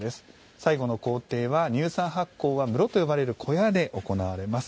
最後の工程は乳酸発酵は室と呼ばれる小屋で行われます。